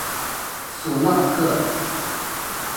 索纳克。